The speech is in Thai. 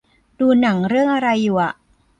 ดูหนังเรื่องอะไรอยู่อะ